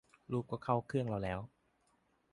รูปก็เข้าเครื่องเราแล้ว